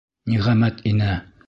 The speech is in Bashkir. Ниғәмәт инә.